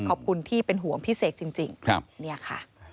ขอบคุณที่เป็นห่วงพี่เสกจริงเนี่ยค่ะ